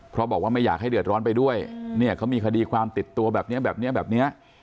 เพราะบอกว่าไม่อยากให้เดือดร้อนไปด้วยเนี่ยเขามีคดีความติดตัวแบบนี้แบบนี้แบบเนี้ย